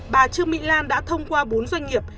bà trương mỹ lan đã thông qua bốn doanh nghiệp